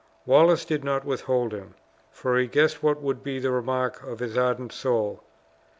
Wallace did not withhold him, for he guessed what would be the remark of his ardent soul.